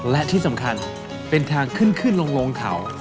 และที่สำคัญเป็นทางขึ้นขึ้นลงเขา